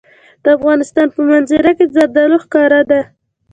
د افغانستان په منظره کې زردالو ښکاره ده.